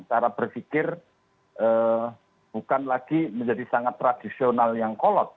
cara berpikir bukan lagi menjadi sangat tradisional yang kolot